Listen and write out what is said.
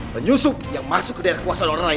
penyusup yang masuk ke daerah kekuasaan orang lain